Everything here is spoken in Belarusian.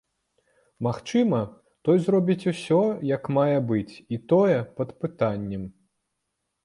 Магчыма, той зробіць усё, як мае быць, і тое, пад пытаннем.